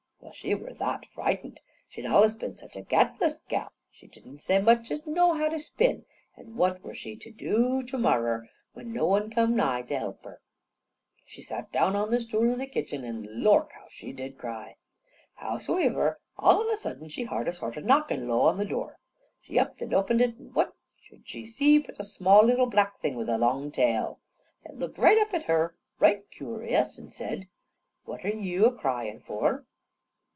Well, she were that frightened. She'd allus been such a gatless gal, that she didn't se much as know how to spin, an' what were she to dew to morrer, with no one to come nigh her to help her? She sat down on a stool in the kitchen, and lork! how she did cry! Howsivir, all on a sudden she hard a sort of a knockin' low down on the door. She upped and oped it, an' what should she see but a small little black thing with a long tail. That looked up at her right kewrious, an' that said: "What are yew a cryin' for?"